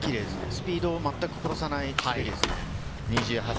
スピードを全く殺さない滑りですね。